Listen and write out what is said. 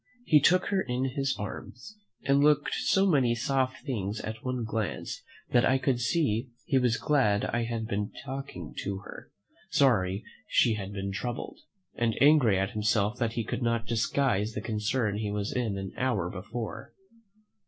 He took her in his arms, and looked so many soft things at one glance that I could see he was glad I had been talking to her, sorry she had been troubled, and angry at himself that he could not disguise the concern he was in an hour before.